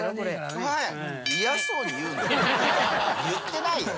言ってないよ。